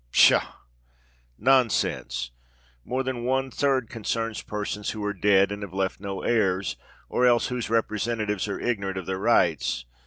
Pshaw!—nonsense! More than one third concerns persons who are dead and have left no heirs, or else whose representatives are ignorant of their rights.